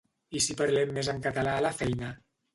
I si parlem més en català a la feina?